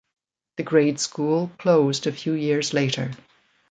The grade school closed a few years later.